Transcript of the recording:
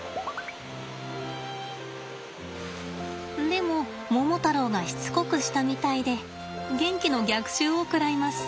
でもモモタロウがしつこくしたみたいでゲンキの逆襲を食らいます。